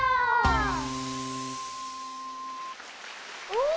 ・お！